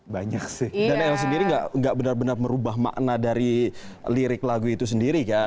banyak sih dan el sendiri enggak benar benar merubah makna dari lirik lagu itu sendiri kan